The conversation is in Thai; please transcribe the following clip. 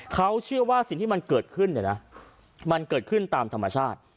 เขาเชื่อว่าสิ่งที่มันเกิดขึ้นเนี่ยนะมันเกิดขึ้นตามธรรมชาติ